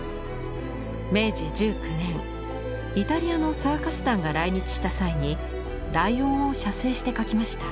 明治１９年イタリアのサーカス団が来日した際にライオンを写生して描きました。